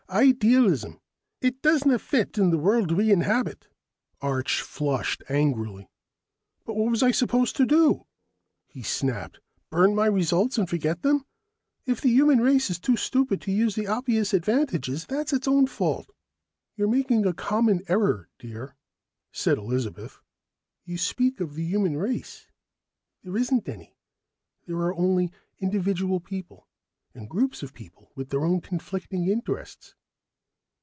"Idealism. It doesn't fit the world we inhabit." Arch flushed angrily. "What was I supposed to do?" he snapped. "Burn my results and forget them? If the human race is too stupid to use the obvious advantages, that's its own fault." "You're making a common error, dear," said Elizabeth. "You speak of the human race. There isn't any. There are only individual people and groups of people, with their own conflicting interests."